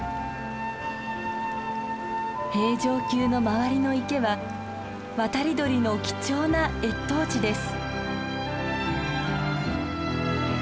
平城宮の周りの池は渡り鳥の貴重な越冬地です。